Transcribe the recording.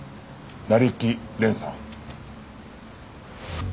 成木蓮さん。